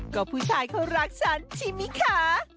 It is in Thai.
ก็ผู้ชายเขารักฉันชิมิคะ